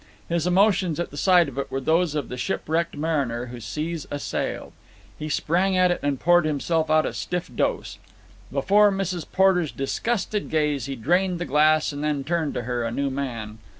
His emotions at the sight of it were those of the shipwrecked mariner who see a sail. He sprang at it and poured himself out a stiff dose. Before Mrs. Porter's disgusted gaze he drained the glass and then turned to her, a new man.